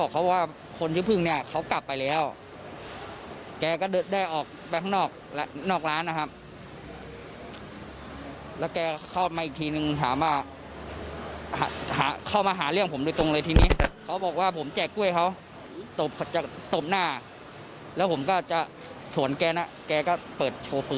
แกก็เปิดโชว์ฟื้นเลยทีนี้